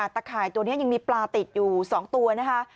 ข่ายตัวนี้ยังมีปลาติดอยู่๒ตัวนะคะ